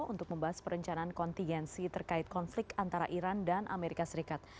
untuk membahas perencanaan kontingensi terkait konflik antara iran dan amerika serikat